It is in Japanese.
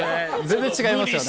全然違いますよね。